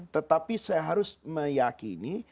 tetapi saya harus meyakini